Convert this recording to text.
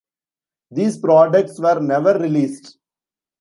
These products were never released.